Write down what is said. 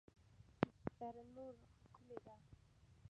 دره نور ښکلې ده؟